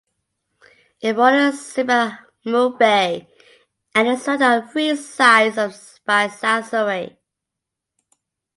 It borders Semiahmoo Bay and is surrounded on three sides by South Surrey.